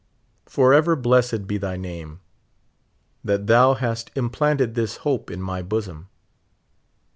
Forever blessed be thy name, that thou hast implanted this hope in my bosom.